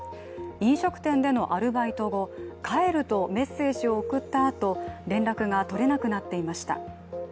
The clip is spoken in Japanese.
飲食店でのアルバイト後、帰るとメッセージを送ったあと、連絡が取れなくなっていました。